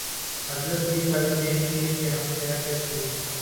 حضرت بھی کل کہیں گے کہ ہم کیا کیا کیے